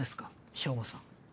兵馬さん。